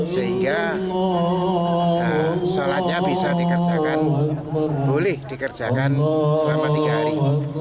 sehingga sholatnya bisa dikerjakan boleh dikerjakan selama tiga hari